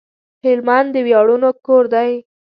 هلمند د وياړونو کور دی